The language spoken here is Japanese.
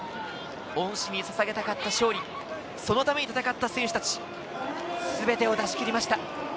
恩師にささげたかった勝利、そのために戦った選手達、全てを出し切りました。